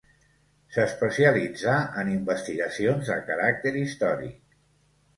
S'especialitzà en investigacions de caràcter històric.